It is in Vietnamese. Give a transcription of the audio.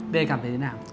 bây giờ em cảm thấy thế nào